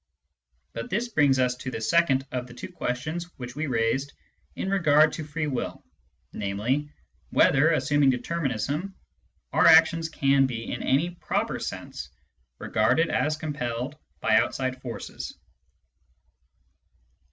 But this brings us to the second of the two questions which we raised in regard to free will, namely, whether, assuming determinism, our actions can be in any proper sense regarded as compelled by outside forces.